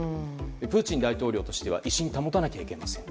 プーチン大統領としては威信を保たなければいけません。